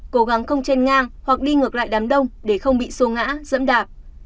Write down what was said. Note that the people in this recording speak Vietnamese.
cố gắng không chên ngang hoặc đi ngược lại đám đông để không bị sô ngã dẫm đạp